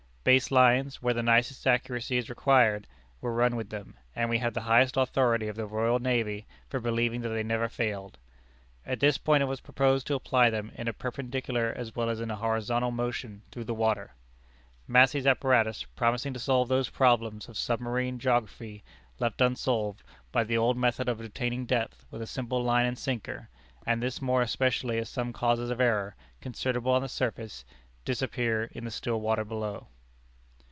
Base lines, where the nicest accuracy is required, were run with them, and we have the highest authority of the Royal Navy for believing that they never failed. At this point it was proposed to apply them in a perpendicular as well as in a horizontal motion through the water. Massey's apparatus promising to solve those problems of submarine geography left unsolved by the old method of obtaining depth with a simple line and sinker, and this more especially as some causes of error, considerable on the surface, disappear in the still water below."